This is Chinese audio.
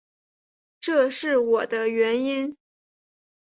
这是我的原因